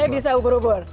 saya bisa ubur ubur